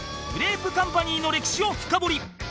グレープカンパニーの歴史を深掘り